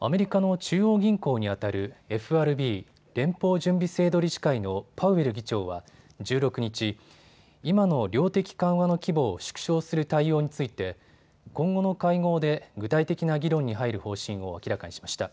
アメリカの中央銀行にあたるＦＲＢ・連邦準備制度理事会のパウエル議長は１６日、今の量的緩和の規模を縮小する対応について今後の会合で具体的な議論に入る方針を明らかにしました。